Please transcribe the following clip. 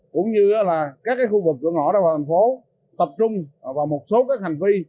cũng như là các khu vực gọi gọi thành phố tập trung vào một số các hành vi